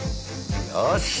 よし！